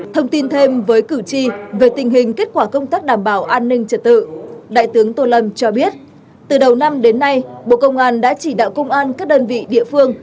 thông tin thêm với cử tri về tình hình kết quả công tác đảm bảo an ninh trật tự đại tướng tô lâm cho biết từ đầu năm đến nay bộ công an đã chỉ đạo công an các đơn vị địa phương